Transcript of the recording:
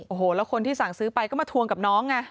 โอ้โหแล้วคนที่สั่งซื้อไปก็มาทวงกับน้องไง